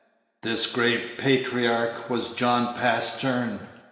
This grave patriarch was John Pastern.